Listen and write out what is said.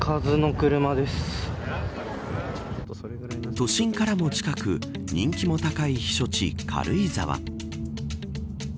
都心からも近く人気も高い避暑地、軽井沢。